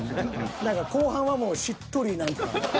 何か後半はもうしっとり何か。